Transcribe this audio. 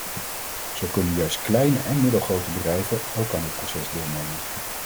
Zo kunnen juist kleine en middelgrote bedrijven ook aan dit proces deelnemen.